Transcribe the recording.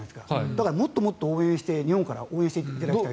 だから、もっともっと日本から応援していただきたい。